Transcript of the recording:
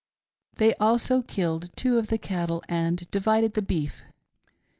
They also killed two of the cat tle and divided the beef.